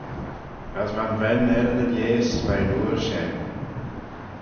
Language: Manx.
As va'n ven er ny lheihys veih'n oor shen.